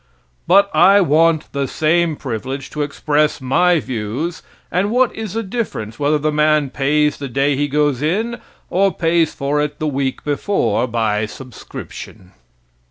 But I want the same privilege to express my views, and what is the difference whether the man pays the day he goes in, or pays for it the week before by subscription.